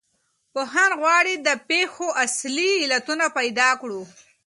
پوهان غواړي د پېښو اصلي علتونه پیدا کړو.